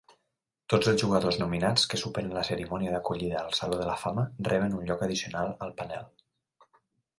Tots els jugadors nominats que superen la cerimònia d'acollida al saló de la fama reben un lloc addicional al panel.